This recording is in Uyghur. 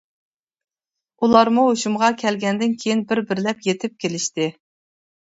ئۇلارمۇ ھوشۇمغا كەلگەندىن كېيىن بىر-بىرلەپ يېتىپ كېلىشتى.